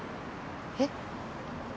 えっ？